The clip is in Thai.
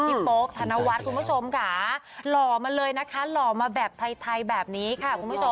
พี่โป๊ปธนวัสคุณผู้ชมค่ะหล่อมาเลยนะคะหล่อมาแบบไทยแบบนี้ค่ะ